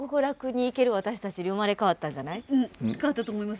何かうん変わったと思います。